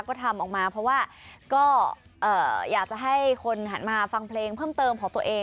ก็ทำออกมาเพราะว่าก็อยากจะให้คนหันมาฟังเพลงเพิ่มเติมของตัวเอง